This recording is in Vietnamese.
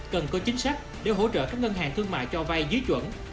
cần có chính sách để hỗ trợ các ngân hàng thương mại cho bay dí chuẩn